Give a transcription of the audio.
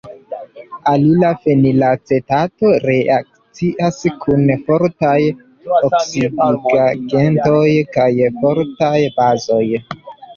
Alila fenilacetato reakcias kun fortaj oksidigagentoj kaj fortaj bazoj.